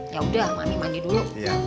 ya udah mandi mandi dulu